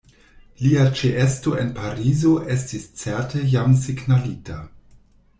Lia ĉeesto en Parizo estis certe jam signalita.